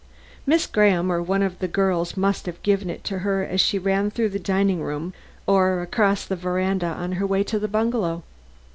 Miss Graham or one of the girls must have given it to her as she ran through the dining room or across the side veranda on her way to the bungalow.